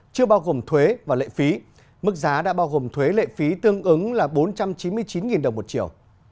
chưa bao gồm thuế và lệ phí mức giá đã bao gồm thuế lệ phí tương ứng là bốn trăm chín mươi chín đồng một triệu